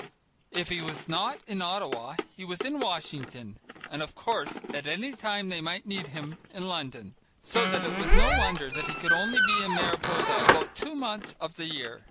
If he was not in Ottawa, he was in Washington, and of course at any time they might need him in London, so that it was no wonder that he could only be in Mariposa about two months of the year.